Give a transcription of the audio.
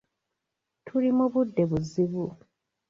Tuli mu budde buzibu.